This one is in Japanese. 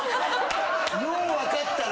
よう分かったな。